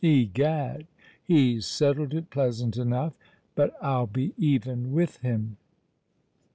Egad! he's settled it pleasant enough: but I'll be even with him!"